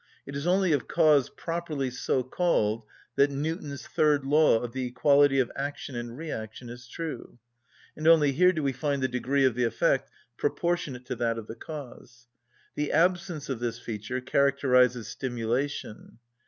It is only of cause properly so called that Newton's third law of the equality of action and reaction is true, and only here do we find the degree of the effect proportionate to that of the cause. The absence of this feature characterises stimulation.